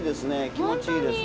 気持ちいいですね。